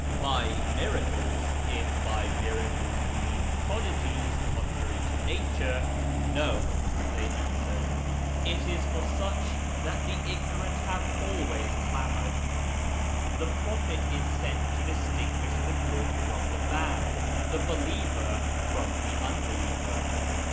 " By miracles (if by miracles you mean prodigies contrary 0 nature) — No !" they answered ;" it is for such that the gnorant have always clamoured. The prophet is sent to listinguish the good from the bad, the believer from the jinbeliever.